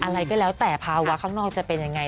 อะไรก็แล้วแต่ภาวะข้างนอกจะเป็นยังไง